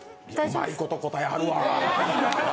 うまいこと答えはるわ。